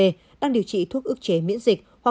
hoặc đều trị thuốc ước chế miễn dịch